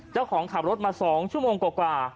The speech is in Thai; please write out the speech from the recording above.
เจ้าของขับรถมา๒ชั่วโมงกว่า